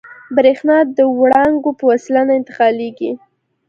برېښنا د وړانګو په وسیله نه انتقالېږي.